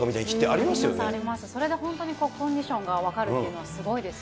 あります、それで本当にコンディションが分かるというのはす